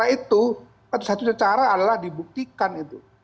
itu satu satunya cara adalah dibuktikan itu